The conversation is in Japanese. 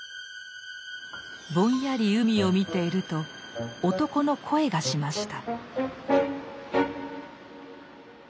ぼんやり海を見ていると男の声がしました。